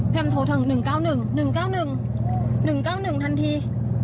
แฟมโถถึง๑๙๑๑๙๑๑๙๑ทันที